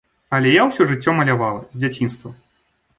Але я ўсё жыццё малявала, з дзяцінства.